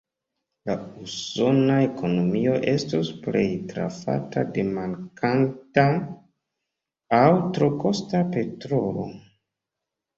La usona ekonomio estus plej trafata de mankanta aŭ tro kosta petrolo.